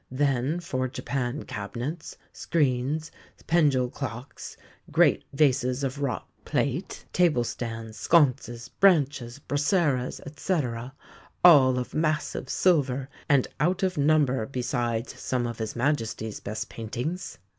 Then for Japan cabinets, screens, pendule clocks, great vases of wrought plate, table stands, sconces, branches, braseras, etc., all of massive silver and out of number, besides some of his Majesty's best paintings!"